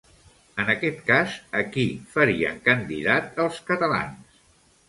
En aquest cas, a qui farien candidat els catalans?